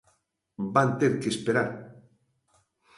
Van ter que esperar.